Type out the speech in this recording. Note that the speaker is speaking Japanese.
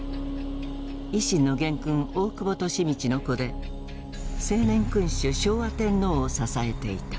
維新の元勲大久保利通の子で青年君主昭和天皇を支えていた。